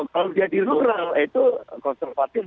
kalau jadi rural itu konservatif